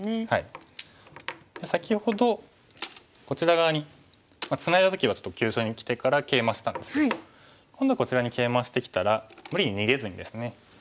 先ほどこちら側にツナいだ時はちょっと急所にきてからケイマしたんですけど今度こちらにケイマしてきたら無理に逃げずにですね